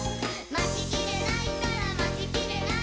「まちきれないったらまちきれない！」